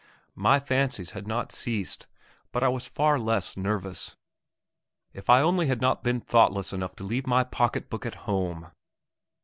My fancies had not ceased, but I was far less nervous. If I only had not been thoughtless enough to leave my pocket book at home!